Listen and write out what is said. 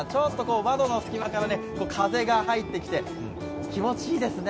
窓の隙間から風が入ってきて気持ちいいですね。